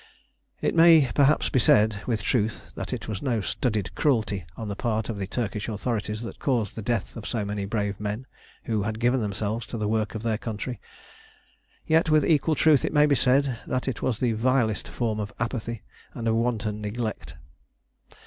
It may perhaps be said with truth that it was no studied cruelty on the part of the Turkish authorities that caused the death of so many brave men who had given themselves to the work of their country: yet with equal truth it may be said, that it was the vilest form of apathy and of wanton neglect.